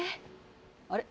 あれ？